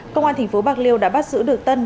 công an tp bạc liêu đã bắt giữ được tân